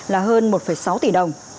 là hơn một sáu tỷ đồng